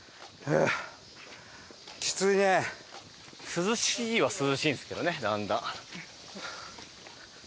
涼しいは涼しいんですけどねだんだん。